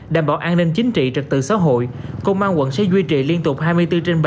đảm bảo an ninh chính trị trật tự xã hội công an quận sẽ duy trì liên tục hai mươi bốn trên bảy